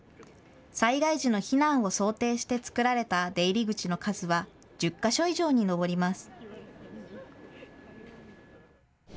災害時の避難を想定して造られた出入り口の数は１０か所以上に上ります。